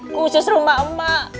khusus rumah mak